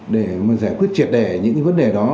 để giải quyết triệt đẻ những vấn đề đó